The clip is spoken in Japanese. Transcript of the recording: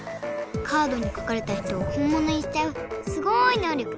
カードに描かれた人をほんものにしちゃうすごいのうりょく。